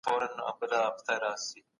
هرې موندنې ته باید خپله حواله ورکړل سی.